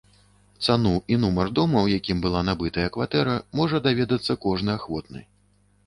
Цану і нумар дома, у якім была набытая кватэра, можа даведацца кожны ахвотны.